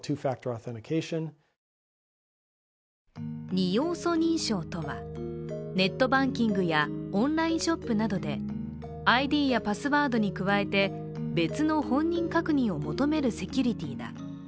２要素認証とは、ネットバンキングやオンラインショップなどでＩＤやパスワードに加えて別の本人確認を求めるセキュリティーだ。